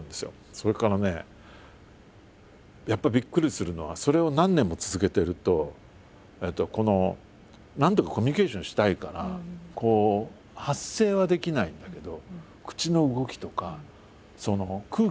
それからねやっぱびっくりするのはそれを何年も続けてるとこのなんとかコミュニケーションしたいから発声はできないんだけど